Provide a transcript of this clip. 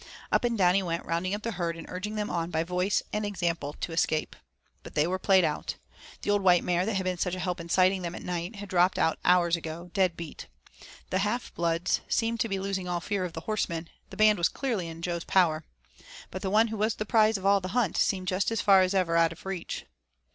Up and down he went rounding up the herd and urging them on by voice and example to escape. But they were played out. The old white mare that had been such help in sighting them at night, had dropped out hours ago, dead beat. The half bloods seemed to be losing all fear of the horsemen, the band was clearly in Jo's power. But the one who was the prize of all the hunt seemed just as far as ever out of reach.